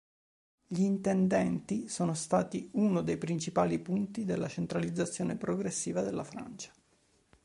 Gli intendenti sono stati uno dei principali punti della centralizzazione progressiva della Francia.